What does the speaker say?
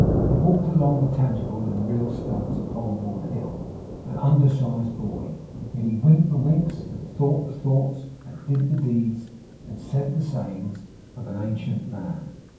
He walked along the tangible and real stones of Holborn Hill, an undersized boy; and yet he winked the winks, and thought the thoughts, and did the deeds, and said the sayings of an ancient man.